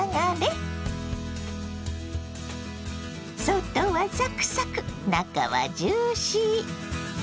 外はサクサク中はジューシー！